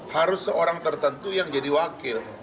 harus seorang tertentu yang jadi wakil